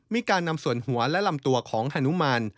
มีการนำส่วนหัวและลำตัวของฮานุมาน